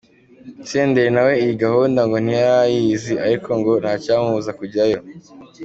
Senderi nawe iyi gahunda ngo ntiyari ayizi ariko ngo ntacyamubuza kujyayo.